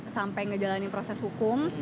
sampai ngejalanin proses hukum